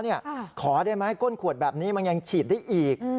ขอได้ไหมก้นขวดแบบนี้มันยังฉีดได้อีก